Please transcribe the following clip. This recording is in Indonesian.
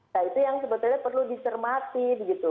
nah itu yang sebetulnya perlu disermati gitu